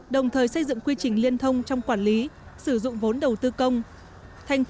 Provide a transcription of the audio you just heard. đồng thời xây dựng quy trình liên thông trong quản lý sử dụng vốn đầu tư công